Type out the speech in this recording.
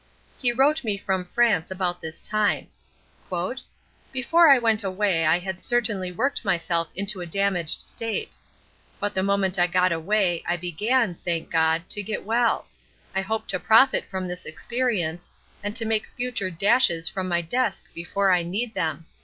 He wrote me from France about this time: "Before I went away I had certainly worked myself into a damaged state. But the moment I got away I began, thank God, to get well. I hope to profit from this experience, and to make future dashes from my desk before I need them."